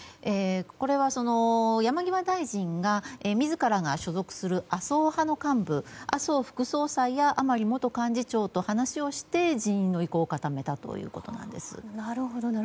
これは山際大臣が自らが所属する麻生派の幹部麻生副総裁や甘利元幹事長と話をして辞任の意向を固めたということなんです。